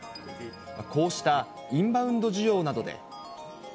こうしたインバウンド需要などで。